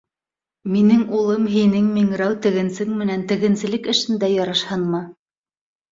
Минең улым һинең миңрәү тегенсең менән тегенселек эшендә ярышһынмы?